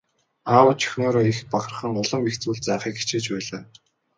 Аав нь ч охиноороо их бахархан улам их зүйл заахыг хичээж байлаа.